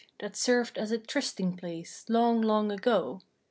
That served as a trysting place, long, long ago.